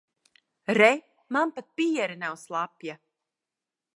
Re, man pat piere nav slapja.